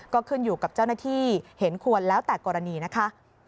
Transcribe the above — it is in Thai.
ก็ขึ้นอยู่กับเจ้าหน้าที่เห็นควรแล้วแต่กรณีนะคะ